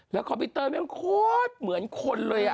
แล้วคอมพิวเตอร์แม่งโค้ดเหมือนคนเลย